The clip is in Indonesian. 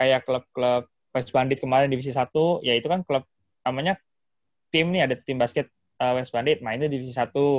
kayak klub klub west bandit kemarin divisi satu ya itu kan klub namanya tim nih ada tim basket west bandit mainnya divisi satu